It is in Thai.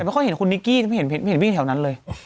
ไม่ค่อยเห็นคุณนิกกี้ไม่เห็นวิ่งแถวนั้นเลย